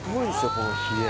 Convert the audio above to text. このヒレ